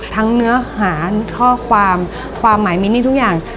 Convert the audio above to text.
เนื้อหาข้อความความหมายมินนี่ทุกอย่าง